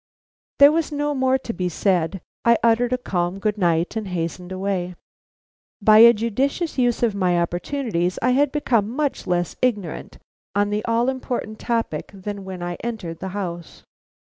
There was no more to be said; I uttered a calm good night and hastened away. By a judicious use of my opportunities I had become much less ignorant on the all important topic than when I entered the house.